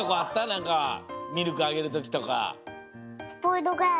なんかミルクあげるときとか。